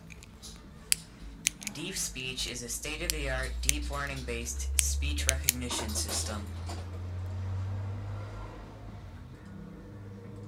DeepSpeech is a state-of-the-art deep-learning-based speech recognition system.